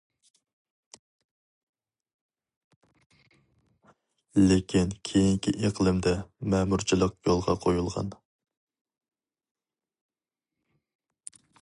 لېكىن كېيىنكى ئىقلىمدا مەمۇرچىلىق يولغا قويۇلغان.